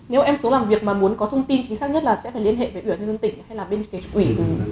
nếu em xuống làm việc mà muốn có thông tin chính xác nhất là sẽ phải liên hệ với ủy ảnh dân tỉnh hay là bên kia chủ ủy